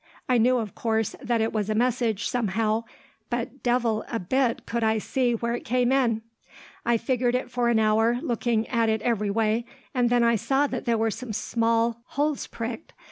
I knew, of course, that it was a message, somehow, but devil a bit could I see where it came in. "I fingered it for an hour, looking at it in every way, and then I saw that there were some small holes pricked.